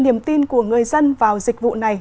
niềm tin của người dân vào dịch vụ này